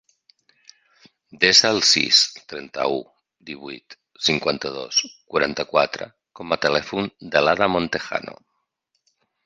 Desa el sis, trenta-u, divuit, cinquanta-dos, quaranta-quatre com a telèfon de l'Ada Montejano.